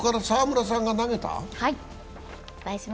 澤村さんが投げた？